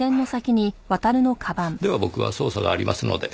では僕は捜査がありますので。